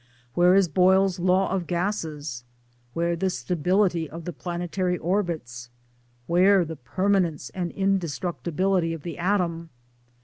where is Boyle's law of gases? where the stability of the planetary orbits? where the per manence and indestructibility of the atom?